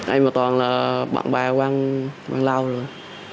em và toàn là bạn bà quang lao rồi